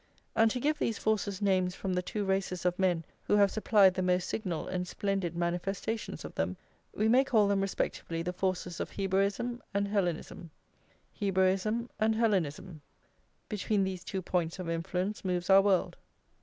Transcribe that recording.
And to give these forces names from the two races of men who have supplied the most signal and splendid manifestations of them, we may call them respectively the forces of Hebraism and Hellenism. Hebraism and Hellenism, between these two points of influence moves our world.